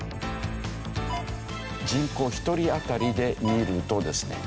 人口１人当たりで見るとですね